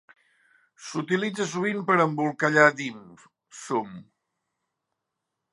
S'utilitza sovint per embolcallar dim sum.